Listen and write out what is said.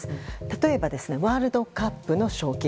例えば、ワールドカップの賞金。